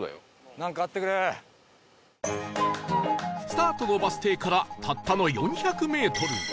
スタートのバス停からたったの４００メートル